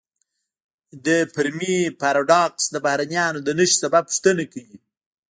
د فرمی پاراډوکس د بهرنیانو د نشت سبب پوښتنه کوي.